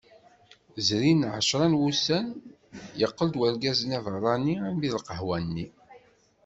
Zrin ɛecra n wussan, yeqqel-d urgaz-nni aberrani almi d lqahwa-nni.